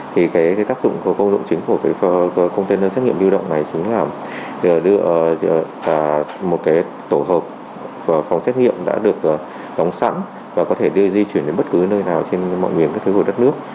thì tác dụng và công dụng chính của container xét nghiệm lưu động này chính là đưa một tổ hợp phòng xét nghiệm đã được đóng sẵn và có thể di chuyển đến bất cứ nơi nào trên mọi nguyên các thứ của đất nước